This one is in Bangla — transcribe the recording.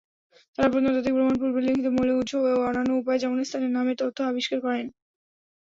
তাঁরা প্রত্নতাত্ত্বিক প্রমাণ, পূর্বের লিখিত মৌলিক উৎস ও অন্যান্য উপায়ে, যেমন- স্থানের নামের তথ্য আবিষ্কার করেন।